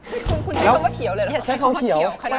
ไม่ทรงคำทุนนะคำว่าเขียวอะไรหรรือ